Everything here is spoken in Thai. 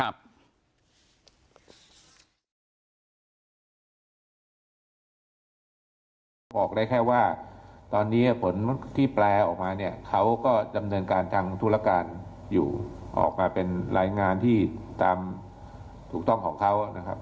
บอกได้แค่ว่าตอนนี้ผลที่แปลออกมาเนี่ยเขาก็ดำเนินการทางธุรการอยู่ออกมาเป็นรายงานที่ตามถูกต้องของเขานะครับ